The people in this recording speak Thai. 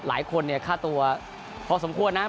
หลายคนเนี่ยค่าตัวพอสมควรนะ